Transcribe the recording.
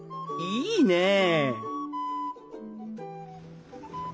いいね！